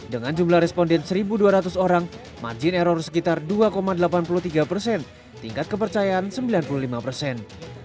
dengan jumlah responden satu dua ratus orang margin error sekitar dua delapan puluh tiga persen tingkat kepercayaan sembilan puluh lima persen